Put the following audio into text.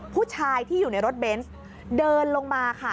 ผู้ชายที่อยู่ในรถเบนส์เดินลงมาค่ะ